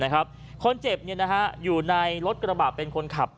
คนเจ็บอยู่ในรถกระบะเป็นคนขับ